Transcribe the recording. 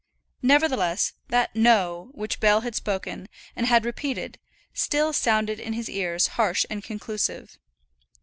Nevertheless, that "No" which Bell had spoken, and had repeated, still sounded in his ears harsh and conclusive.